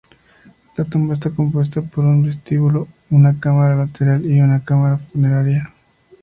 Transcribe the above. La tumba está compuesta por un vestíbulo, una cámara lateral y una cámara funeraria.